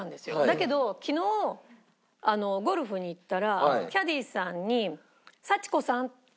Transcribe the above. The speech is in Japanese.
だけど昨日ゴルフに行ったらキャディさんに「さち子さん」。